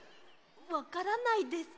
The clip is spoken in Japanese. わからないですか。